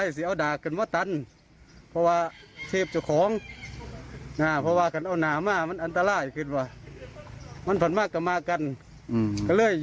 ยิงข้างใจแบบแบบโรพิเนียนของพระศาลมากเลย